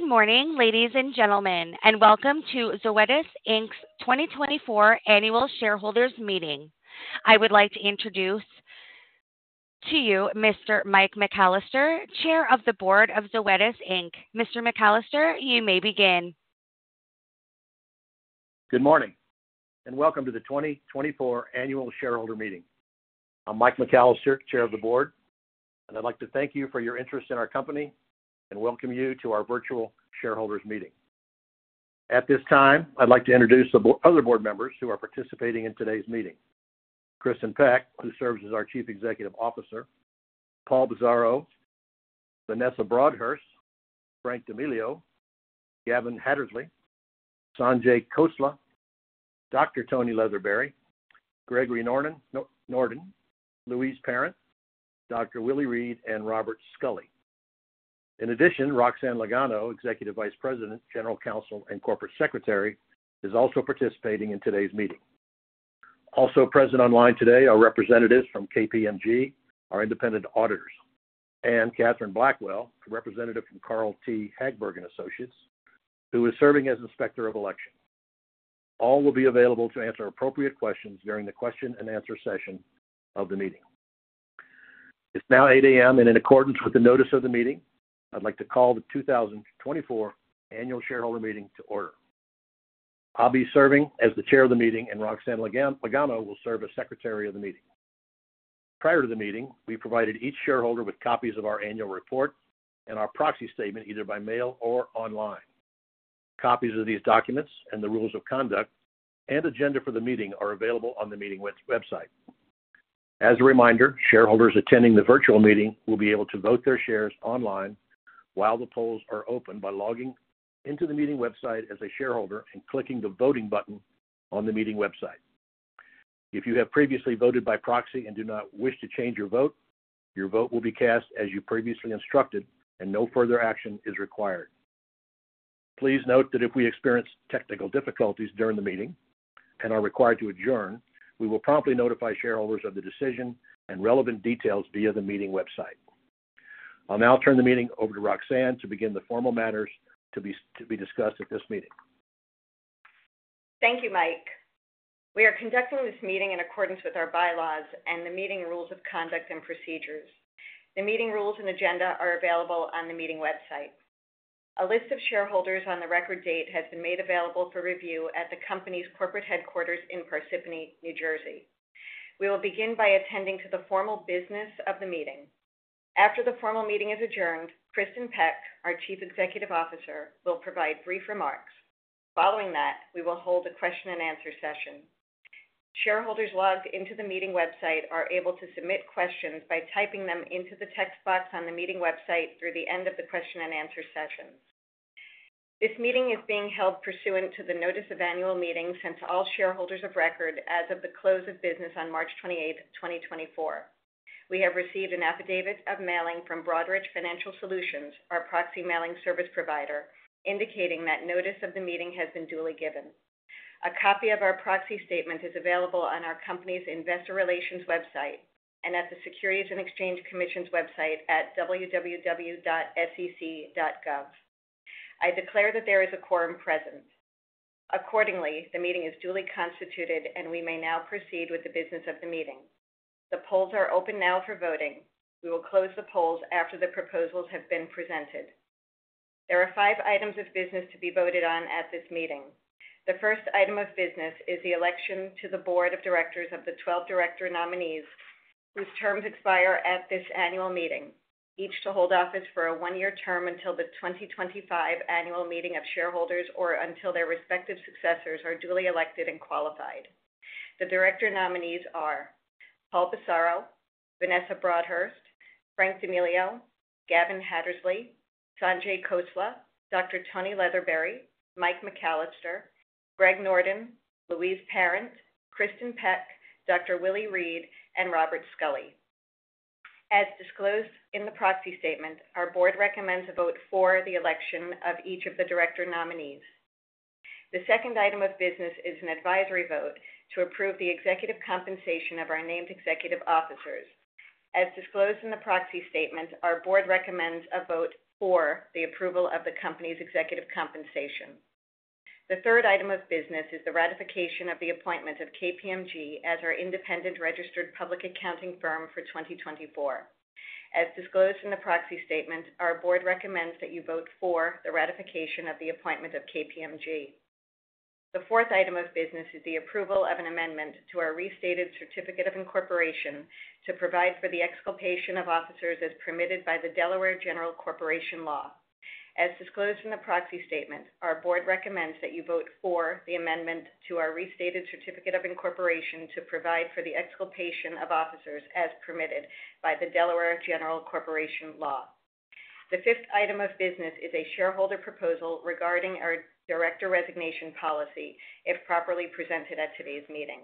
Good morning, ladies and gentlemen, and welcome to Zoetis Inc.'s 2024 Annual Shareholders Meeting. I would like to introduce to you Mr. Mike McCallister, Chair of the Board of Zoetis Inc. Mr. McCallister, you may begin. Good morning, and welcome to the 2024 Annual Shareholders Meeting. I'm Mike McCallister, Chair of the Board, and I'd like to thank you for your interest in our company and welcome you to our virtual shareholders meeting. At this time, I'd like to introduce the other board members who are participating in today's meeting. Kristin Peck, who serves as our Chief Executive Officer, Paul Bisaro, Vanessa Broadhurst, Frank D'Amelio, Gavin Hattersley, Sanjay Khosla, Dr. Antoinette Leatherberry, Gregory Norden, Louise Parent, Dr. Willie Reed, and Robert Scully. In addition, Roxanne Lagano, Executive Vice President, General Counsel, and Corporate Secretary, is also participating in today's meeting. Also present online today are representatives from KPMG, our independent auditors, and Catherine Blackwell, a representative from Carl T. Hagberg & Associates, who is serving as Inspector of Election. All will be available to answer appropriate questions during the question and answer session of the meeting. It's now 8:00 A.M., and in accordance with the notice of the meeting, I'd like to call the 2024 Annual Shareholder Meeting to order. I'll be serving as the Chair of the meeting, and Roxanne Lagano will serve as Secretary of the meeting. Prior to the meeting, we provided each shareholder with copies of our annual report and our proxy statement, either by mail or online. Copies of these documents and the rules of conduct and agenda for the meeting are available on the meeting website. As a reminder, shareholders attending the virtual meeting will be able to vote their shares online while the polls are open, by logging into the meeting website as a shareholder and clicking the voting button on the meeting website. If you have previously voted by proxy and do not wish to change your vote, your vote will be cast as you previously instructed, and no further action is required. Please note that if we experience technical difficulties during the meeting and are required to adjourn, we will promptly notify shareholders of the decision and relevant details via the meeting website. I'll now turn the meeting over to Roxanne to begin the formal matters to be discussed at this meeting. Thank you, Mike. We are conducting this meeting in accordance with our bylaws and the meeting rules of conduct and procedures. The meeting rules and agenda are available on the meeting website. A list of shareholders on the record date has been made available for review at the company's corporate headquarters in Parsippany, New Jersey. We will begin by attending to the formal business of the meeting. After the formal meeting is adjourned, Kristin Peck, our Chief Executive Officer, will provide brief remarks. Following that, we will hold a question and answer session. Shareholders logged into the meeting website are able to submit questions by typing them into the text box on the meeting website through the end of the question and answer session. This meeting is being held pursuant to the notice of annual meeting, since all shareholders of record as of the close of business on March 28, 2024. We have received an affidavit of mailing from Broadridge Financial Solutions, our proxy mailing service provider, indicating that notice of the meeting has been duly given. A copy of our proxy statement is available on our company's investor relations website and at the Securities and Exchange Commission's website at www.sec.gov. I declare that there is a quorum present. Accordingly, the meeting is duly constituted, and we may now proceed with the business of the meeting. The polls are open now for voting. We will close the polls after the proposals have been presented. There are five items of business to be voted on at this meeting. The first item of business is the election to the board of directors of the 12 director nominees whose terms expire at this annual meeting, each to hold office for a 1-year term until the 2025 annual meeting of shareholders or until their respective successors are duly elected and qualified. The director nominees are Paul Bisaro, Vanessa Broadhurst, Frank D'Amelio, Gavin Hattersley, Sanjay Khosla, Dr. Antoinette Leatherberry, Mike McCallister, Greg Norden, Louise Parent, Kristin Peck, Dr. Willie Reed, and Robert Scully. As disclosed in the proxy statement, our board recommends a vote for the election of each of the director nominees. The second item of business is an advisory vote to approve the executive compensation of our named executive officers. As disclosed in the proxy statement, our board recommends a vote for the approval of the company's executive compensation. The third item of business is the ratification of the appointment of KPMG as our independent registered public accounting firm for 2024. As disclosed in the proxy statement, our board recommends that you vote for the ratification of the appointment of KPMG. The fourth item of business is the approval of an amendment to our restated certificate of incorporation to provide for the exculpation of officers as permitted by the Delaware General Corporation Law. As disclosed in the proxy statement, our board recommends that you vote for the amendment to our restated certificate of incorporation to provide for the exculpation of officers as permitted by the Delaware General Corporation Law. The fifth item of business is a shareholder proposal regarding our director resignation policy, if properly presented at today's meeting.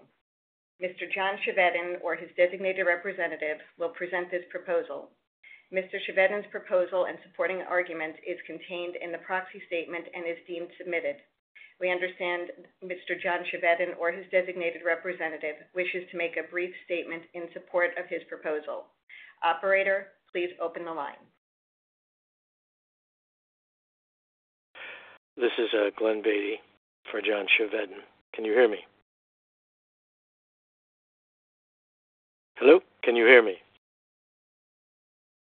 Mr. John Chevedden or his designated representative will present this proposal. Mr. Chevedden's proposal and supporting argument is contained in the Proxy Statement and is deemed submitted. We understand Mr. John Chevedden or his designated representative wishes to make a brief statement in support of his proposal. Operator, please open the line. This is, Glyn Beatty for John Chevedden. Can you hear me? Hello, can you hear me?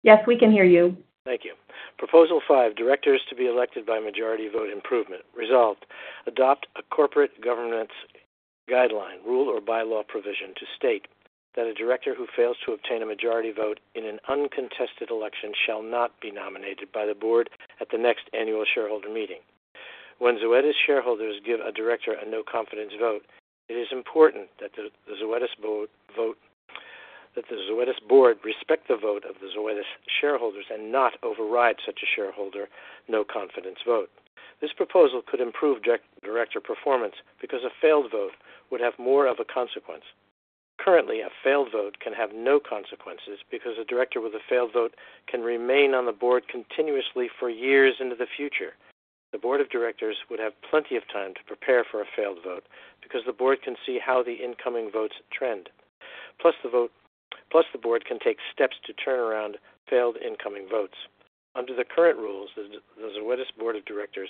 Yes, we can hear you. Thank you. Proposal 5: Directors to be elected by majority vote improvement. Result: Adopt a corporate governance guideline, rule, or bylaw provision to state that a director who fails to obtain a majority vote in an uncontested election shall not be nominated by the board at the next annual shareholder meeting. When Zoetis shareholders give a director a no-confidence vote, it is important that the Zoetis board respect the vote of the Zoetis shareholders and not override such a shareholder no-confidence vote. This proposal could improve director performance because a failed vote would have more of a consequence. Currently, a failed vote can have no consequences because a director with a failed vote can remain on the board continuously for years into the future. The board of directors would have plenty of time to prepare for a failed vote, because the board can see how the incoming votes trend. Plus, the board can take steps to turn around failed incoming votes. Under the current rules, the Zoetis board of directors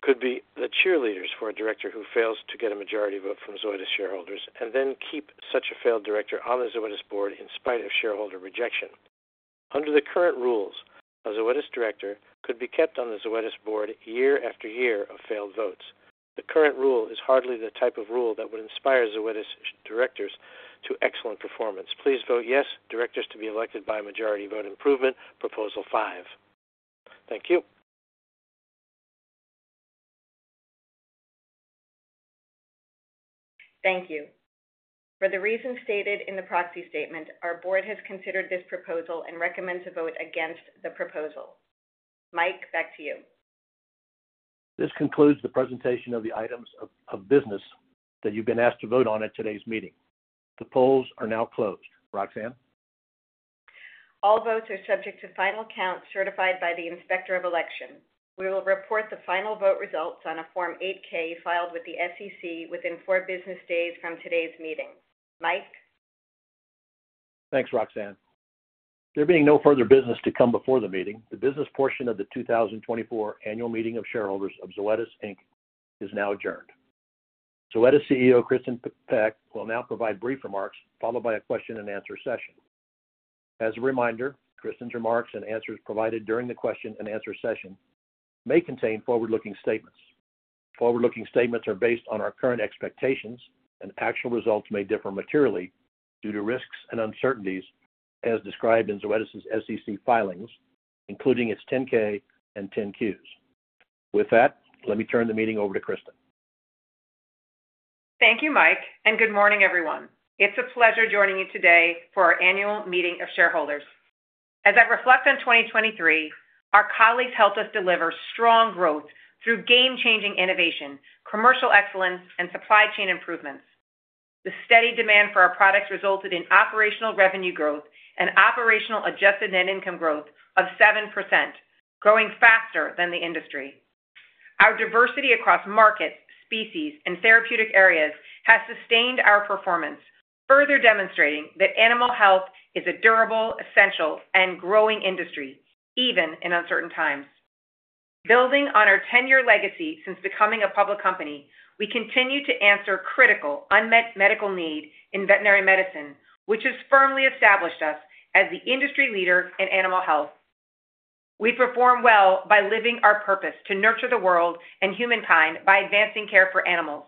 could be the cheerleaders for a director who fails to get a majority vote from Zoetis shareholders and then keep such a failed director on the Zoetis board in spite of shareholder rejection. Under the current rules, a Zoetis director could be kept on the Zoetis board year after year of failed votes. The current rule is hardly the type of rule that would inspire Zoetis directors to excellent performance. Please vote yes, directors to be elected by a majority vote improvement, proposal five. Thank you. Thank you. For the reasons stated in the Proxy Statement, our board has considered this proposal and recommends to vote against the proposal. Mike, back to you. This concludes the presentation of the items of business that you've been asked to vote on at today's meeting. The polls are now closed. Roxanne? All votes are subject to final count certified by the Inspector of Election. We will report the final vote results on a Form 8-K filed with the SEC within four business days from today's meeting. Mike? Thanks, Roxanne. There being no further business to come before the meeting, the business portion of the 2024 annual meeting of shareholders of Zoetis, Inc. is now adjourned. Zoetis CEO Kristin Peck will now provide brief remarks, followed by a question-and-answer session. As a reminder, Kristin's remarks and answers provided during the question-and-answer session may contain forward-looking statements. Forward-looking statements are based on our current expectations, and actual results may differ materially due to risks and uncertainties as described in Zoetis' SEC filings, including its 10-K and 10-Qs. With that, let me turn the meeting over to Kristin. Thank you, Mike, and good morning, everyone. It's a pleasure joining you today for our annual meeting of shareholders. As I reflect on 2023, our colleagues helped us deliver strong growth through game-changing innovation, commercial excellence, and supply chain improvements. The steady demand for our products resulted in operational revenue growth and operational adjusted net income growth of 7%, growing faster than the industry. Our diversity across markets, species, and therapeutic areas has sustained our performance, further demonstrating that animal health is a durable, essential, and growing industry, even in uncertain times. Building on our 10-year legacy since becoming a public company, we continue to answer critical, unmet medical need in veterinary medicine, which has firmly established us as the industry leader in animal health. We perform well by living our purpose to nurture the world and humankind by advancing care for animals,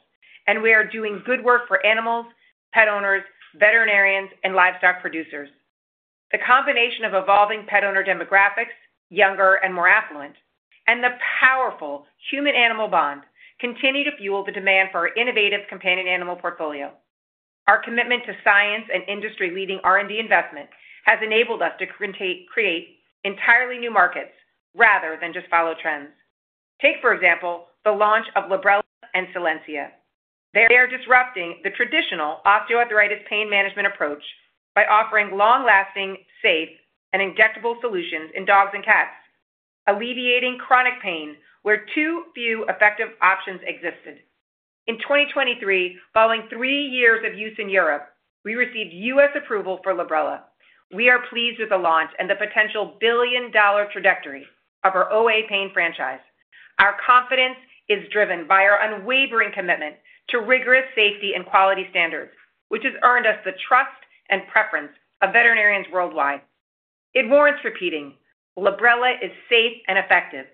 and we are doing good work for animals, pet owners, veterinarians, and livestock producers. The combination of evolving pet owner demographics, younger and more affluent, and the powerful human-animal bond continue to fuel the demand for our innovative companion animal portfolio. Our commitment to science and industry-leading R&D investment has enabled us to create, create entirely new markets rather than just follow trends. Take, for example, the launch of Librela and Solensia. They are disrupting the traditional osteoarthritis pain management approach by offering long-lasting, safe, and injectable solutions in dogs and cats, alleviating chronic pain where too few effective options existed. In 2023, following three years of use in Europe, we received US approval for Librela. We are pleased with the launch and the potential billion-dollar trajectory of our OA pain franchise. Our confidence is driven by our unwavering commitment to rigorous safety and quality standards, which has earned us the trust and preference of veterinarians worldwide. It warrants repeating: Librela is safe and effective.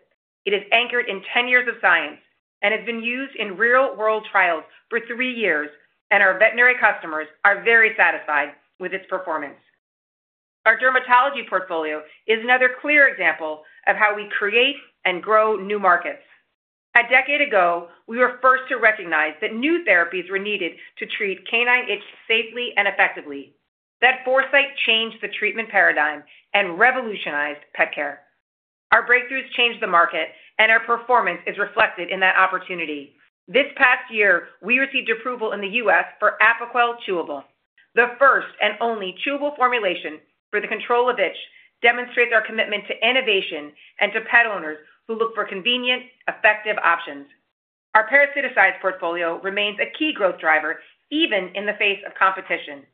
It is anchored in 10 years of science and has been used in real-world trials for 3 years, and our veterinary customers are very satisfied with its performance. Our dermatology portfolio is another clear example of how we create and grow new markets. A decade ago, we were first to recognize that new therapies were needed to treat canine itch safely and effectively. That foresight changed the treatment paradigm and revolutionized pet care. Our breakthroughs changed the market, and our performance is reflected in that opportunity. This past year, we received approval in the U.S. for Apoquel Chewable. The first and only chewable formulation for the control of itch demonstrates our commitment to innovation and to pet owners who look for convenient, effective options. Our parasiticides portfolio remains a key growth driver, even in the face of competition.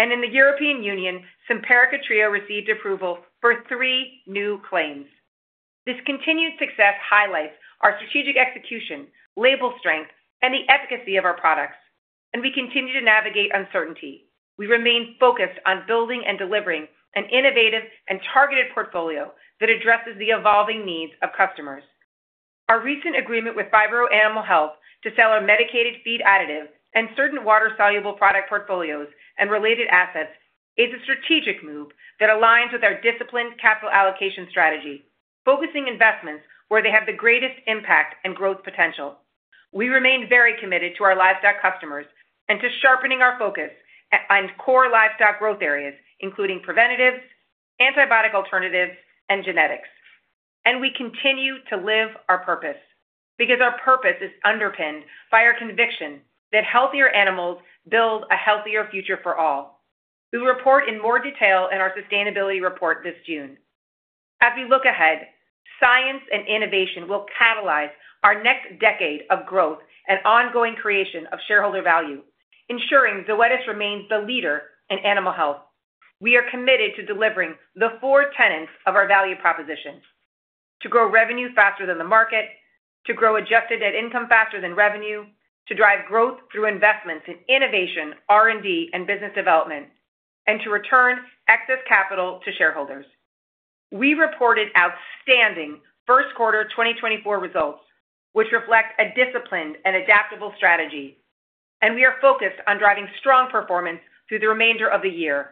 And in the European Union, Simparica Trio received approval for three new claims. This continued success highlights our strategic execution, label strength, and the efficacy of our products, and we continue to navigate uncertainty. We remain focused on building and delivering an innovative and targeted portfolio that addresses the evolving needs of customers. Our recent agreement with Phibro Animal Health to sell our medicated feed additive and certain water-soluble product portfolios and related assets is a strategic move that aligns with our disciplined capital allocation strategy, focusing investments where they have the greatest impact and growth potential. We remain very committed to our livestock customers and to sharpening our focus on core livestock growth areas, including preventatives, antibiotic alternatives, and genetics. We continue to live our purpose, because our purpose is underpinned by our conviction that healthier animals build a healthier future for all. We report in more detail in our sustainability report this June. As we look ahead, science and innovation will catalyze our next decade of growth and ongoing creation of shareholder value, ensuring Zoetis remains the leader in animal health. We are committed to delivering the four tenets of our value proposition: to grow revenue faster than the market, to grow adjusted net income faster than revenue, to drive growth through investments in innovation, R&D, and business development, and to return excess capital to shareholders. We reported outstanding first quarter 2024 results, which reflect a disciplined and adaptable strategy, and we are focused on driving strong performance through the remainder of the year.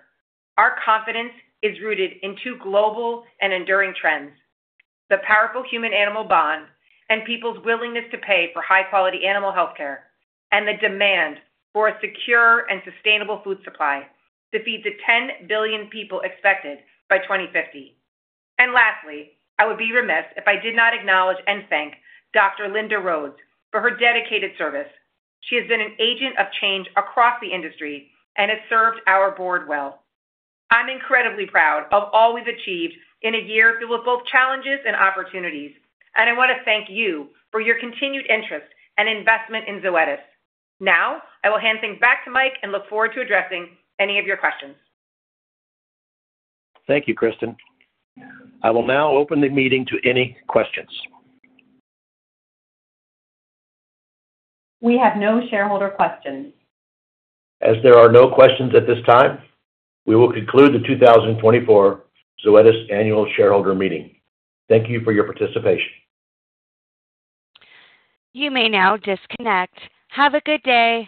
Our confidence is rooted in two global and enduring trends: the powerful human-animal bond and people's willingness to pay for high-quality animal health care, and the demand for a secure and sustainable food supply to feed the 10 billion people expected by 2050. Lastly, I would be remiss if I did not acknowledge and thank Dr. Linda Rhodes for her dedicated service. She has been an agent of change across the industry and has served our board well. I'm incredibly proud of all we've achieved in a year filled with both challenges and opportunities, and I want to thank you for your continued interest and investment in Zoetis. Now, I will hand things back to Mike and look forward to addressing any of your questions. Thank you, Kristin. I will now open the meeting to any questions. We have no shareholder questions. As there are no questions at this time, we will conclude the 2024 Zoetis Annual Shareholder Meeting. Thank you for your participation. You may now disconnect. Have a good day!